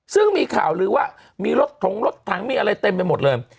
ซึ่งมีข่าวลือว่ามีรถถงรถถังมีอะไรเต็มไปหมดเลย